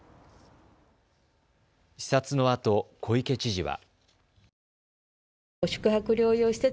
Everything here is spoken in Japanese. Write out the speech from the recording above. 視察のあと小池知事は。